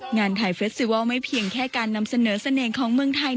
งานไทยเฟสติวัลไม่เพียงแค่การนำเสนอเสน่ห์ของเมืองไทย